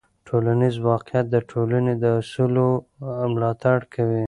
ټولنیز واقیعت د ټولنې د اصولو ملاتړ کوي.